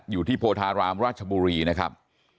อยู่ที่โพธารามราชบุรีนะครับ